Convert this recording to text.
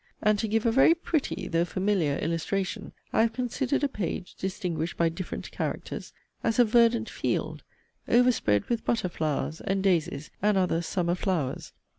And to give a very 'pretty,' though 'familiar illustration,' I have considered a page distinguished by 'different characters,' as a 'verdant field' overspread with 'butter flowers' and 'daisies,' and other summer flowers.